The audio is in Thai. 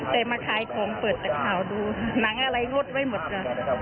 แต่มาขายของเปิดแต่ข่าวดูหนังอะไรงดไว้หมดจ้ะ